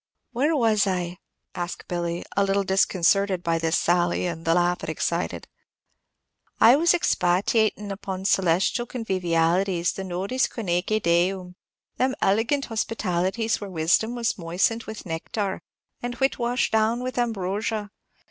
"Where was I?" asked Billy, a little disconcerted by this sally, and the laugh it excited. "I was expatiatin' upon celestial convivialities. The nodes coenoeque deum, them elegant hospitalities where wisdom was moistened with nectar, and wit washed down with ambrosia.